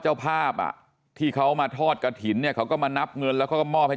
เจ้าภาพอ่ะที่เขามาทอดกระถิ่นเนี่ยเขาก็มานับเงินแล้วเขาก็มอบให้